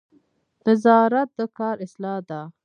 نظارت د کار اصلاح ده